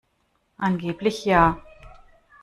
Angeblich ja.